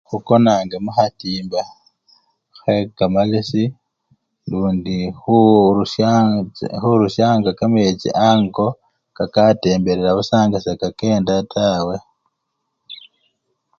Khukonange mukhatimba khekamalesi lundi khurusyaka! khurusyanga kamechi ango kakatembelela busa nga sekakenda taa.